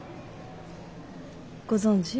ご存じ？